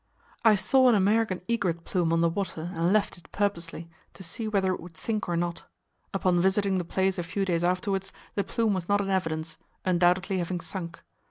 "I saw an American egret plume on the water, and left it, purposely, to see whether it would sink or not. Upon visiting the place a few days afterwards, the plume was not in evidence, undoubtedly having sunk.